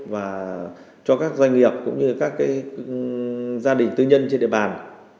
và cho các doanh nghiệp cũng như các gia đình tư nhân trên địa bàn